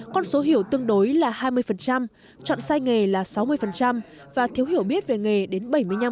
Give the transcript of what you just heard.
con số hiểu tương đối là hai mươi chọn sai nghề là sáu mươi và thiếu hiểu biết về nghề đến bảy mươi năm